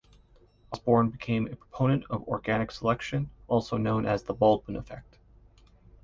Osborn became a proponent of organic selection, also known as the Baldwin effect.